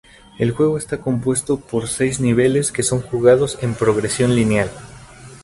El juego está compuesto por seis niveles que son jugados en progresión lineal.